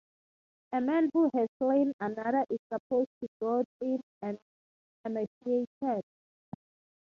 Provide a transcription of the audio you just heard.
A man who has slain another is supposed to grow thin and emaciated.